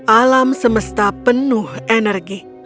alam semesta penuh energi